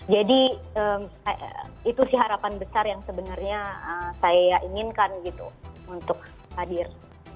jadi itu sih harapan besar yang sebenarnya saya inginkan gitu untuk hadir